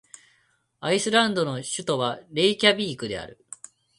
アイスランドの首都はレイキャヴィークである